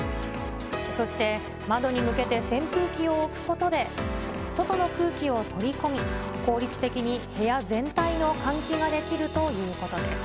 そして、窓に向けて扇風機を置くことで、外の空気を取り込み、効率的に部屋全体の換気ができるということです。